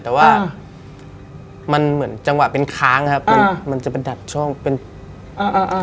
แต่ว่ามันเหมือนจังหวะเป็นค้างครับมันมันจะไปดัดช่องเป็นอ่า